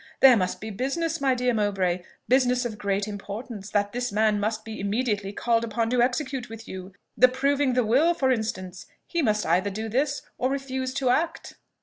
There must be business, my dear Mrs. Mowbray, business of great importance that this man must be immediately called upon to execute with you, the proving the will, for instance; he must either do this, or refuse to act."